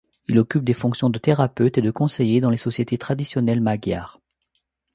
Il occupe des fonctions de thérapeute et de conseiller dans les sociétés traditionnelles magyares.